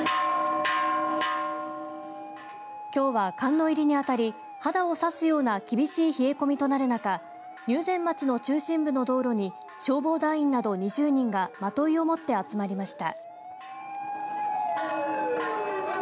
きょうは、寒の入りに当たり肌を刺すような厳しい冷え込みとなる中入善町の中心部の道路に消防団員など２０人がまといを持って集まりました。